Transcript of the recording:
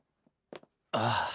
ああ。